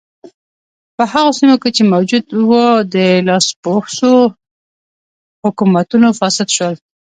په هغو سیمو کې چې موجود و د لاسپوڅو حکومتونو فاسد شول.